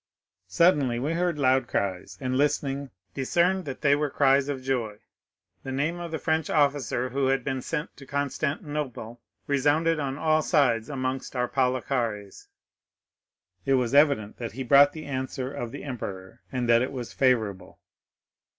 "Suddenly we heard loud cries; and, listening, discerned that they were cries of joy. The name of the French officer who had been sent to Constantinople resounded on all sides amongst our Palikares; it was evident that he brought the answer of the emperor, and that it was favorable."